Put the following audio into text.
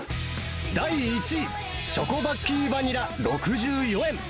第１位、チョコバッキーバニラ６４円。